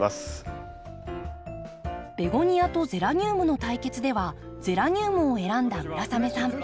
ベゴニアとゼラニウムの対決ではゼラニウムを選んだ村雨さん。